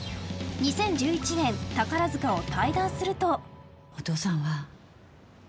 ２０１１年、宝塚を退団すると。